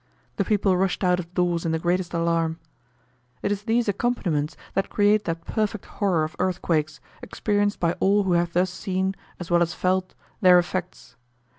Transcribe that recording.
The people rushed out of doors in the greatest alarm. It is these accompaniments that create that perfect horror of earthquakes, experienced by all who have thus seen, as well as felt, their effects.